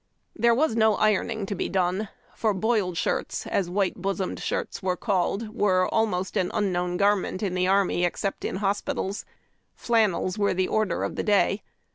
There was no ironing to be done, f(jr "l)oiled shirts," as white bosomed shirts were called, were almost an un known garment in the army except in lios[)itals. Flannels were the order of the day.